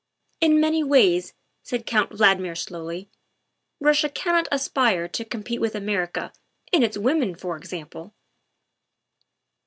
'' In many ways, '' said Count Valdmir slowly, '' Rus sia cannot aspire to compete with America in its women, for example."